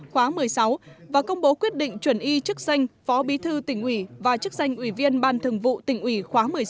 khóa một mươi sáu và công bố quyết định chuẩn y chức danh phó bí thư tỉnh ủy và chức danh ủy viên ban thường vụ tỉnh ủy khóa một mươi sáu